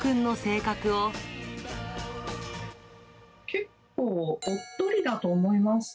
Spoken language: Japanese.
結構、おっとりだと思います。